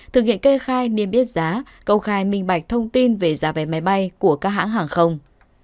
thực hiện kê khai niêm yết giá công khai minh bạch thông tin về giá vé máy bay của các hãng hàng không